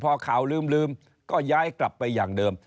พอข่าวลืมก็ย้ายกลับไปอย่างเดิม